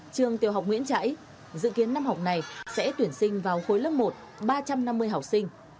trường tiểu học nguyễn trãi dự kiến năm học này sẽ tuyển sinh vào khối lớp một ba trăm năm mươi học sinh